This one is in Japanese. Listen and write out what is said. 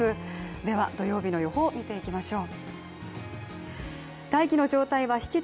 では、土曜日の予報、見ていきましょう。